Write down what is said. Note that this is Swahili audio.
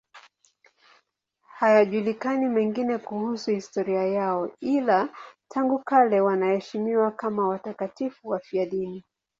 Hayajulikani mengine kuhusu historia yao, ila tangu kale wanaheshimiwa kama watakatifu wafiadini.